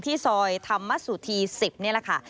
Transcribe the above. ซอยธรรมสุธี๑๐นี่แหละค่ะ